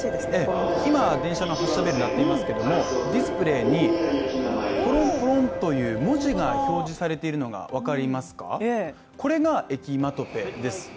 今電車の発車ベルなっていますけども、ディスプレイにポロンポロンという文字が表示されているのがわかりますかこれがエキマトペです。